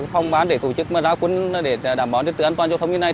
phong bán để tổ chức ra quân để đảm bảo trật tư an toàn cho thông minh này